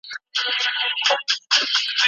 دروني ارامي په بهرني ژوند اغېز کوي.